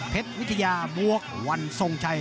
เพชรวิทยาบวกวันสงชัย